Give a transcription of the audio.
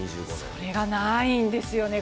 それが、ないんですよね。